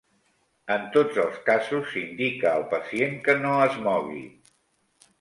En tots els casos, s'indica al pacient que no es mogui.